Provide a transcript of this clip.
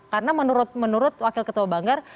karena menurut wakil ketua banggar